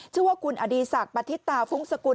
ชื่อว่าคุณอดีีษักรบัทธิตาฟุ้งสกุล